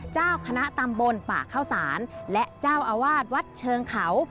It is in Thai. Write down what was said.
เจ้าคณะตำบลป่าเข้าสารและเจ้าอาวาสวัดเชิงเขา